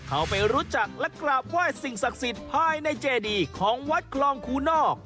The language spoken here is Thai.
เข้าไปรู้จักและกราบไหว้สิ่งศักดิ์สิทธิ์ภายในเจดีของวัดคลองคูนอก